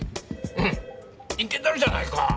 うんイケてるじゃないか！